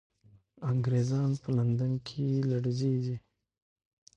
انګریزان به په لندن کې لړزېږي.